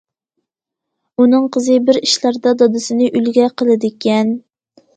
ئۇنىڭ قىزى بىر ئىشلاردا دادىسىنى ئۈلگە قىلىدىكەن.